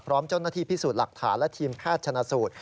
พร้อมเจ้าหน้าที่พิสูจน์หลักฐานและทีมแพทย์ชนะสูตร